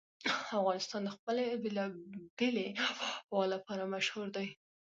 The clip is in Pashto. افغانستان د خپلې بېلابېلې آب وهوا لپاره مشهور دی.